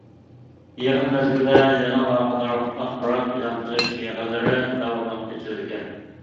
يىغىن مەزگىلىدە، يەنە ئالاقىدار ئاخبارات ئېلان قىلىش يىغىنلىرى داۋاملىق ئېچىلىدىكەن.